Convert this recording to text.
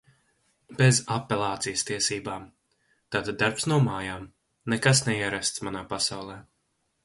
Bez apelācijas tiesībām. Tātad darbs no mājām – nekas neierasts manā pasaulē.